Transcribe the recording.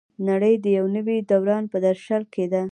نړۍ د یو نوي دوران په درشل کې ده.